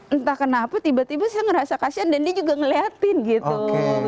entah kenapa tiba tiba saya ngerasa kasian dan dia juga ngeliatin gitu